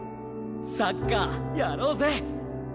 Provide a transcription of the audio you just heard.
サッカーやろうぜ！